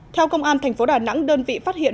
theo công an tp đà nẵng đơn vị phát hiện